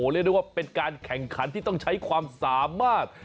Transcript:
เรียกได้ว่าเป็นการแข่งขันที่ต้องใช้ความสามารถ